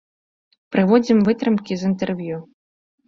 Прыводзім вытрымкі з інтэрв'ю.